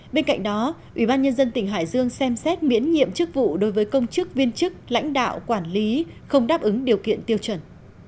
bên cạnh đó ủy ban nhân dân tỉnh hải dương xem xét miễn nhiệm chức vụ đối với công chức viên chức lãnh đạo quản lý không đáp ứng điều kiện tiêu chuẩn